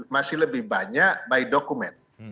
masih lebih banyak by document